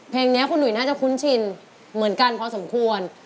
เพลงนี้คุณหุยน่าจะคุ้นชินเหมือนกันพอสมควร